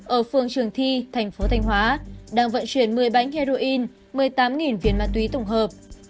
ở phường trường thi thành phố thanh hóa đang vận chuyển một mươi bánh heroin một mươi tám viên ma túy tổng hợp